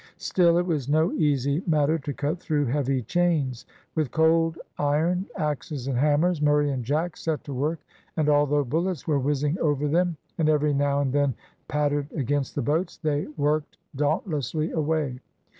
Still it was no easy matter to cut through heavy chains. With cold iron, axes, and hammers, Murray and Jack set to work, and although bullets were whizzing over them, and every now and then pattered against the boats, they worked dauntlessly away.